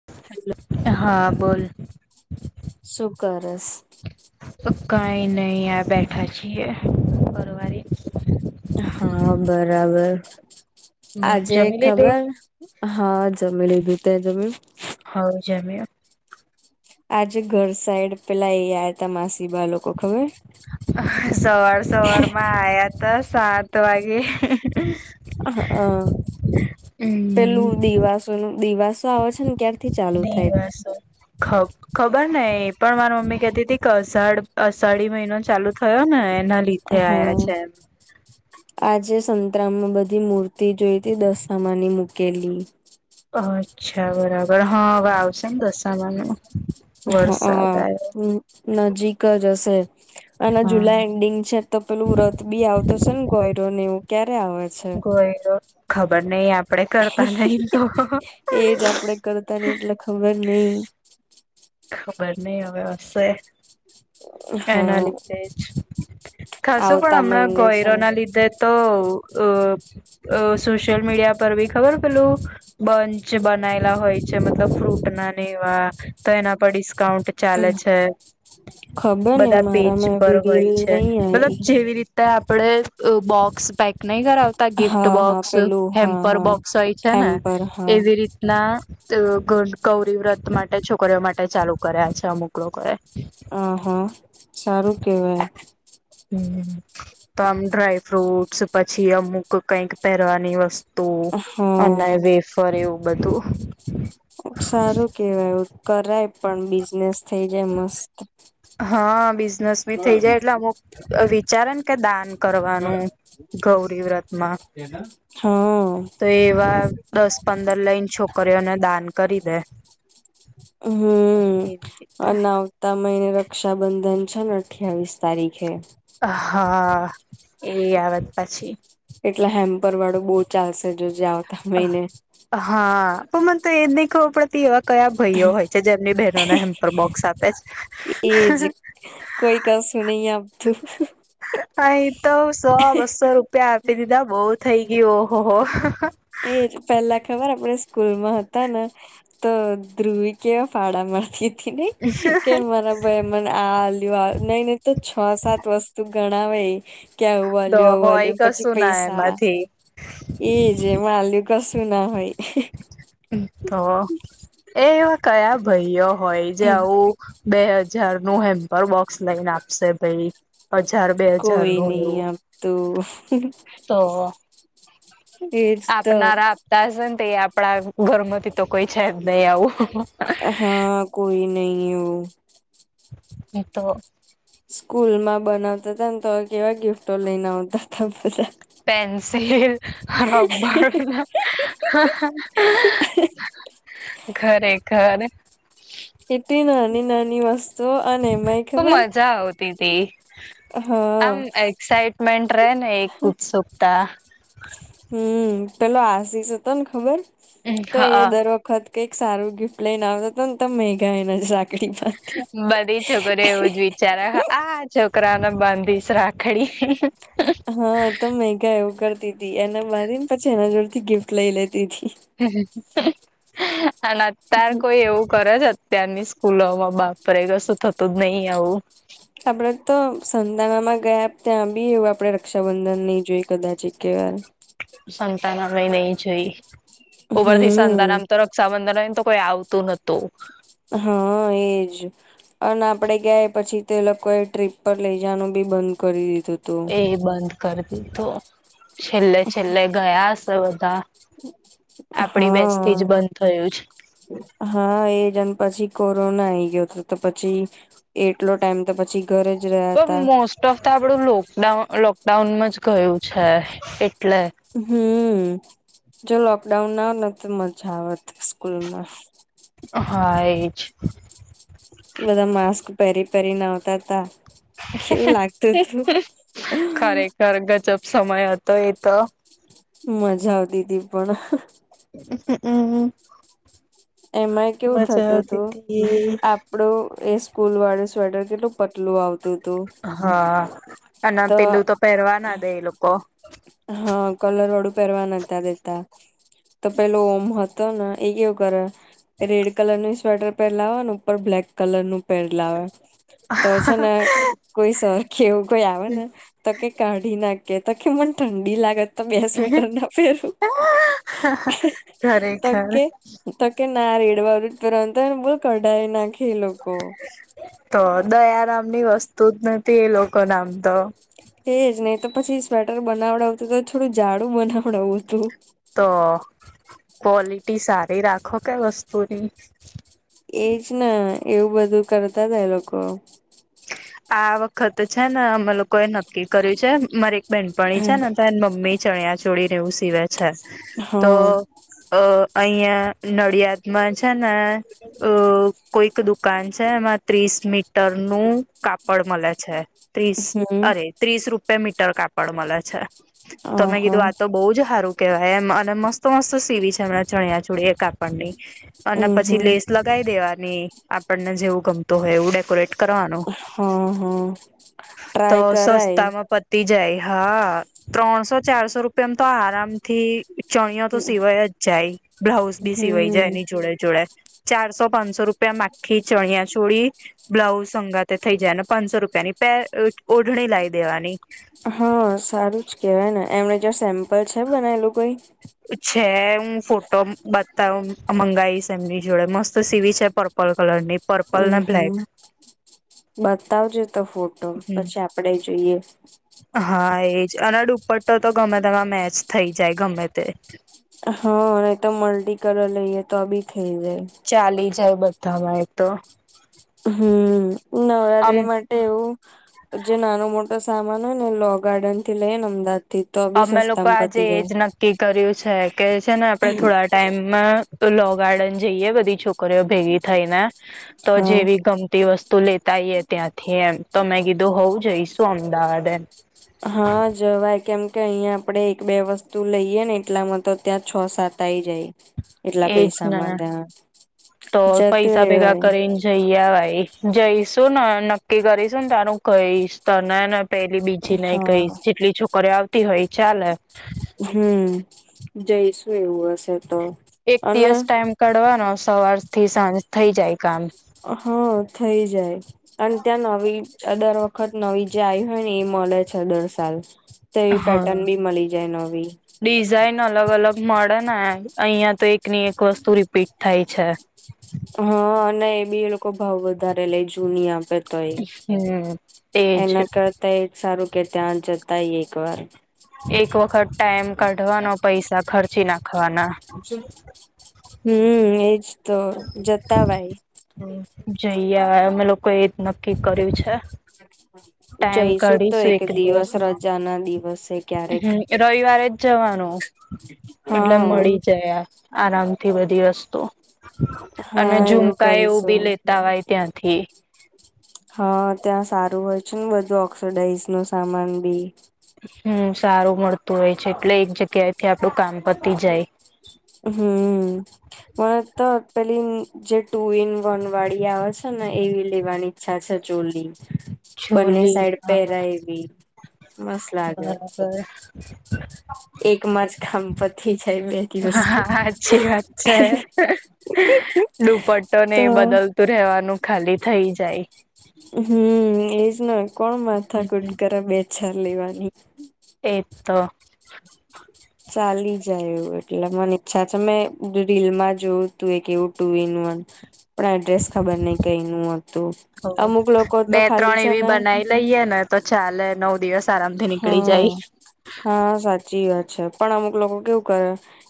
[unintelligible] હા બોલ સુું કરસ કઈ નહી આ બેઠા છીએ. પરવારી હા બરાબર બોલ આજે જમી લીધું ખબર હા જમી લીધું તે જમીયુ? હઉ જમીયુ. આજે ઘર સાઈડ પેલા એયા ત માસીબ લોકો ખબર સવાર સવાર માં આવયા હતા સાત વાગે. હ હમ પેલું દિવાસો ન દિવાસો આવે છે ને ક દિવસો ખપ ખબર ને એ પણ મારા મમ્મી કહેતી હતી કે અષાઢ અષાઢી મહિનો ચાલુ થયો ને એના લીધે આયા હા. છે એમ આજે સંતરા માં બધી મૂર્તિ જોઈતી દસસામાની મુકેલી. અચ્છા બરાબર હા હવે આવશે ને દસામા ન હઅ વરસાદ આવ્યો. નજીક જ હશે અને જુલાઈ હા એન્ડિંગ છે. તો પેલું રથ બી આવતોશે ને ગોયરો ને એવું ક્યારે આવે? છે? ગોયલો ખબર નહિ આપ એજ આપડે કરતા ને એટલે ખબર નહિ. ખબર નહી હવે હશે. એના હા લીધે જ ખાસું પણ હમણાં ગોયરો ના લીધે તો ના અ સોશિયલ મીડિયા પર બી ખબર પેલું બંચ બનાયલા હોય છે મતલબ ફ્રૂટ ના એવા તો એના પર કાઉન્ટ ચાલે છે ખબર ને બધા પેજ મારામાં પર એવી હોય રીલ છે નહી મતલબ આઈ જેવી રીતે તે આપણે બોક્સ પેક નહી કરાવતા ગિફ્ટ હા હા બોક્સ પેલું હા હેમ્પર હા બોક્સ હોય છે ને હેમ્પર હા એવી રીતના ગૌરી વ્રત માટે છોકરીઓ માટે ચાલુ કર્યા છે અમુકલોકો કરે આ હા સારું કેવાય હ તો આમ ડ્રાય ફ્રુટસ પછી અમુક કઈક પહેરવાની વસ્તુ તું અને હા વેફર એવું બધું સારું કેવાયું કરાય પણ બિઝનેસ થઇ જાય મસ્ત હા બીઝ નસમી થઇ જાય એટલે અમુક વિચારે ને કે દાન કરવાનું ગૌરી વ્રત માં હા તો એવા દસ પંદર લઇન છોકરી છોકરીયોને દાન કરી દે હમ એવી રીતે અને ના આવતા મહિને રક્ષાબંધન છે ને અઠ્યાવીસ તારીખે હા એ આવેત પછી એટલે હેમ્પર વાળું બહુ ચાલશે જો જે આવતા હોયને હા પણ મને તો એ જ નહી ખવું પડતી એ કયા ભાઈઓ હોય છે જેમની બહેનોને હેમ્પર બોક્સ આપે છે એજ કોઈ કશું નહી આપ તું હા એ તો સો બસો રૂપિયા આપી દીધા બહ થઈ ગયું ઓહોહ એ પેલા ખબર આપણે સ્કૂલમાં હતા ને તો ધ્રુવી કેવા ફાળ મળતી હતી નને કે મારા ભાઈ મને આલુ નઈ નહી તો છ સાત વસ્તુ ગણાવે ક્યા આવું વાલ તો આવું હોય વાલ્યું એ પછી કશું ના પૈસા એમાંથી એજ માલ્યું કશું ના હોય તો એ એવા કયા ભાઈઓ હોય જે આવું બે હજાર નું એમ પર બોક્સ લઈને આપશે ભાઈ હજાર બે હજાર નું એવું હ હ તો તો આપનારા આપતા હશે ને તો એ આપણા ઘર માંથી તો કોઈ છે જ નહી આવું. હા કોઈ નહી ઓ તો સ્કૂલમાં બનાવતા હતા ને તો કેવા ગિફ્ટો લઈને આવતા હતા બધા. પેન્સિલ, રબ્બર હા હા અ ઘરે ઘર. એટલી નાની- નાની વાસ્તુ ખુબ મજા આવતીતી. હા આમ એક્સાઈટમેન્ટ રે ને એક ઉકશુંકતા. હમ પેલો આસીષ હતો ને ખબર. તો એ હા દર વખત કંઈક સારું ગિફ્ટ લઈને આવતાતો ને ત મેઘા એને રાખડી બાધતી હ બધી છોકરીઓ એવું જ વિચારે આ છોકરાને બાંધીશ રાખડી. હ તો મેઘા એવું કરતી તી, એને બાંધી ને પછી એના જોડ થી ગિફ્ટ લઈ લેતીતી. અને અત્યાર કોઈ એવું કરે છે ત્યારની સ્કૂલોમાં બાપરે ક શું થતું જ નહી આવું. આપડે તો સંતાનામાં ગયા ત્યાં બી એવું આપડે રક્ષાબંધન નહી જોઈ કદાચ એકવાર. સંતાનામ નહી જોઈ ઉપર થી હમ સંતાનામ તો સા બંધન હોય ને તો કોઈ આવતું નતું. હ એજ. અને આપણેે ગયા એ પછી તે લોકોએ ટ્રીપ પર લઈ જવાનું બી બંધ કરી દીધું. હતું એય બંધ કરી દીધું. છેલ્લે છેલ્લે ગયા હશે બધા. આપડી બેચથી હા જ બંધ થયું છે. હા એજ અન પછી કોરોના આઈ ગયોતો તો પછી એટલો ટાઈમ તો પછી ઘરે જ રયા પણ મોસ્ટ ઓફ ધ આપડું લોકડાઉન લોકડાઉનમાં જ ગયું છે. એટલે હમ જો લોકડાઉન ન આવત તો મજા આવત સ્કૂલમાં. હા એજ. બધા માસ્ક પહેરી પહેરી ને આવતાતા. ખરેખર ગજબ સમય હતો એ તો મજા આવતી હતી પણ. [unintelligible] એમાં કેવું મજા થતું આવતી તું હતી. આપ ડું એ સ્કૂલ વાળું સ્વેટર કેટલું પતલું આવતું તું. હા અને પેલું તો પહેરવા ના દેય એ લોકો. હા કલરવાળું પહેરવા નતા દેતા તો પેલો ઓમ હતો ન એ કેવું કરે રેડ કલર નું સ્વેટર પહેરલાવે ને ઉપર બ્લેક કલર નું પહેરલાવે. તો છે ને કોઈ સર કે એવું કોઈ આવે ને તો કે કાઢી નાખે તો કે મને ઠંડી લાગે. તો બે સ્વેટરના પહેરું. તો ખરેખર કે તો કે ના રેડવારુ જ પેરવાનું તો બોલ કઢાય નાખે એ લોકો. તો દયારામ ની વસ્તુ જ નથી. એ લોકોને આમ તો એજ ને તો પછી સ્વેટર બનાવડાવતું તો થોડું જાડું બનાવડાવું તું. તો ક્વોલિટી સારી રાખો કય વસ્તુની. એજ ને એવું બધું કરતાતા એ લોકો. આ વખત છે ને અમે લોકો એ નક્કી કર્યું છે. મારી બેનપણી છે ને તો એન મમ્મી ચણ્યા ચોળી ને એવું સીવે છે તો હા અ અહિયાં નડિયાદ માં છે ને અ કોઈક દુ કાન છે એમાં ત્રીસ મીટર નું કાપડ મળે છે. ત્રીસ હમ અરે ત્રીસ રૂપિયા મીટર કાપડ મલે છે. તોમે કીધું આહા આ તો બહુ જ સારું. કેવાય એમ અને મસ્ત મસ્ત સીવી છે એમને ચણિયા ચોળી એ કાપડની અને પછી હમ લેસ લગાય દેવાની આપણને જેવું ગમતું હોય એવું ડેકોરેટ કરવાનું હા હા તો ટ્રાય કરાય સસ્તામાં પતી જાય હા ત્રણસો ચારસો રૂપિયામ તો આરામ થી ચણિયા તો સિવાય જ જાય બ્લાઉઝ બી સિવાઈ હમ જાય એની જોડે જોડે. ચારસો પાંચસો રૂપિયા મા આખી ચણિયા ચોળી બ્લાઉઝ સંગાતે થઈ જાય ને પાંચસો રૂપિયાની પે ઓઢણી લાય દેવાની હા સારું જ કેવાય ને એમને જોડે સેમ્પલ છે બનાયલું કઈ છે હું ફોટો બતા મંગાઈશ એમની જોડે મસ્ત સીવી છે પર્પલ કલર ની હમ હમ બતાવજે તો ફોટો હમ પછી આપ ડે જઈએ હા એજ અને દુપટ્ટો તો ગમે તેમાં મેચ થઈ જાય ગમે તે હા નય તો મલ્ટી કલર લઈએ તો આ બી થઇ જાય. ચાલી જાય બધામાં એક તો હમ આમ નવરાત્રી માટે એવું જે નાનો મોટો સામાન હોય ને લો ગાર્ડન થી લઈને અમદાવાદ થી તો બી અમે લોકો સસ્તામાં આજે પતી એજ જાય નક્કી કર્યું છે કે છે ને આપડે થોડાક ટાઈમમાં લો ગાર્ડન જઈએ બધી છોકરીઓ ભેગી થઈને તો હા જેવી ગમતી વસ્તુ લેતાઈએ ત્યાંથી એમ તો મેં કીધું હોવું જઈશું. અમદાવાદ એ હા જવાય કેમ કે અહીયાં આપડે એક બે વસ્તુ લઈએ ને એટલામાં તો ત્યાં છ સાત થઈ જાય એટલા એજ પૈસા ને માં તે તો જતું પૈસા ભેગા રહવાય કરીને જઈ અવાઈ જઈશું ને નક્કી કરીશું ને તારું કઈશ તને ને પેલી બીજી નેઈ કઈશ હા જેટલી છોકરી આવતી હોય ચાલે હમ જઈશું એવું હશે તો એક અને દિવસ ટાઈમ કરવાઢવાનો સવાર થી સાંજ થઇ જાય કામ હા થઈ જાય અને ત્યાં નવી દર વખત નવી જે આવી હોય ને એ મળે છે દર સાલ તેવી ઈ હા પેટર્ન બી મળી જાય નવી ડિઝાઇન અલગ અલગ મળે ને અહિયાં તો એક ની એક વસ્તુ રીપીટ થાય છે. હા અને બી એ લોકો ભાવ વધારે લે જૂની આપે હમ એજ એના કરતા એ સારું કે ત્યાં જતાય એક વાર એક વખત ટાઈમ કાઢવાનો પૈસા ખર્ચી નાખવાના હમ એજ તો જતાવાય જઈ અવાય અમે લોકો એ જ નક્કી કર્યું છે. ટાઈમ જઈશુ તો કાઢીશું એક દિવસ દિવસમાં રજા ના દિવસે ક્યારેક હમ રવિવારે જ જવાનું એટલે હા મળી જાય આરામથી બધી વસ્તુ હા અને એવું ઝુમકા એવું કરીશું બી લેતા હોય ત્યાંથી હા ત્યાં સારું હોય છે ને બધું ઓક્સડાઇઝ નો સામાન બી હમ સારું મળતું હોય છે એટલે એક જગ્યાથી આપડું કામ પતિ જાય. હમ મને તો પેલી જે ટુ ઇન વન વાળી આવે છે ને એવી લેવાની છે છે જવુલરી બંને છોલી સાઈડ હા પહેરાય એવી મસ્ત લાગે બરાબર. એકમાં જ કામ પતિ જાય બેન હા સાચી વાત છે. [unintelligible] તો રેવાનું ખાલી થઇ જાય હમ એજ ન કોણ માથા કુટ હમ. કરે બેછા લેવાની એ તો ચાલી જાય એવ એટલે મને ઈચ્છા છે મેં રીલમાં જોયું તું એ કે એવું ટુ ઇન વન પણ એડ્રેસ ખબર નઈ કઈ ન હતું અમુક લોકો તો ખાલી છે ને લઈએે ને તો ચાલે નવ દિવસ આરામથી નીકળી હા જાય હા સાચી વાત છે પણ અમુક લોકો કેવું કરે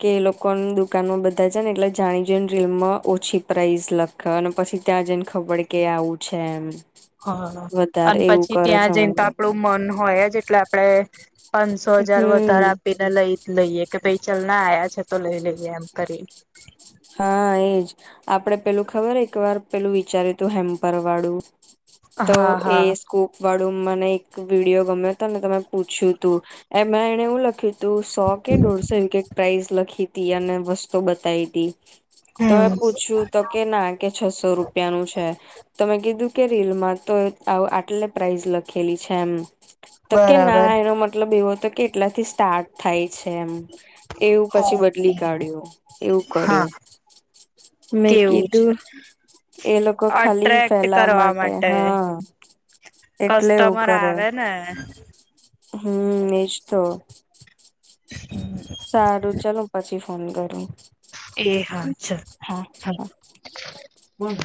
કે એ લોકો દુકાનમાં બધા છે ને એટલે જાણી જોઈને રીમમાં ઓછી પ્રાઇઝ લખે પછી ત્યાં જને ખબર કે આવું છે એમ હા વધારે અને એવું પછી કરે છે ત્યાં જઈને અમુક તો લોકો આપડું મન હોય જ એટલે આપડણે પાંચસો હજાર હમ વધારેા આપીને લઈ લઈએ કે ભાઈ ચલ ના આ્યા છે તો લઈ લઈએ એમ કરી હા એજ આપડે પેલું ખબર એક વાર પેલું વિચારી્યું તું હેમ્પર વાળું તો હા એ હા સ્કોૂપ વાળું મને એક વિડીિયો ગમ્યો હતો તમે પૂછ્યું તું એમાં એણે એવું લખ્યું તું સો કે દોઢસો કઈક પ્રાઈઝ લખી તી અને વસ્તુ બતાવી તોમે હમ પૂછ્યું તો કે ના કે છસો રૂપિયાનું છે તમે કીધું કે રીલમાં તો આવું આટલે પ્રાઇઝ લખેલી છે એમ. તો કે ના બરાબર. એનો મતલબ એવો હતો કેટલાથી સ્ટાર્ટ થાય છે એમ. એવું પછી બદલી કાઢ્યું એવું હા કર્યું. મે કેવું છે. કીધું. એ લોકો ખાલી અટ્રેક્ટ ફેલાવા કરવા માટે હા. એટલે એવું કસ્ટમર કરે આવે ને. હમ એજ તો. સારું ચાલ પછી ફોન કરું. એ હા ચલ. હા હા બોલ.